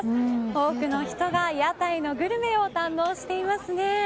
多くの人が屋台のグルメを堪能していますね。